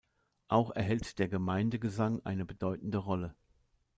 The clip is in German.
Auch erhält der Gemeindegesang eine bedeutende Rolle.